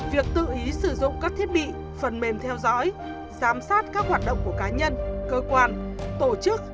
việc tự ý sử dụng các thiết bị phần mềm theo dõi giám sát các hoạt động của cá nhân cơ quan tổ chức